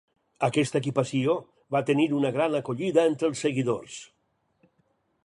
Aquesta equipació va tenir una gran acollida entre els seguidors.